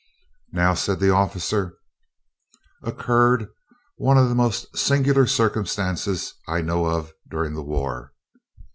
"Now," said the officer, "occurred one of the most singular circumstances I know of during the war.